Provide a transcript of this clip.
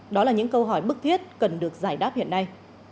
đó là những câu hỏi bức thiết cần được giải đáp hiện nay